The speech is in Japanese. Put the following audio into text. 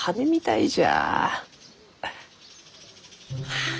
はあ。